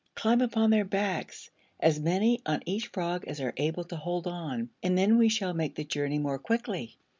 Climb upon their backs as many on each frog as are able to hold on and then we shall make the journey more quickly."